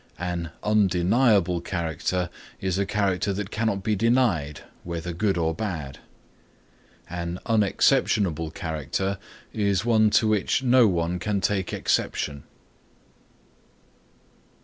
An undeniable character is a character that cannot be denied, whether bad or good. An unexceptionable character is one to which no one can take exception.